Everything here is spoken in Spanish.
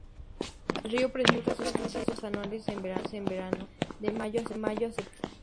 El río presenta sus crecidas anuales en verano, de mayo a septiembre.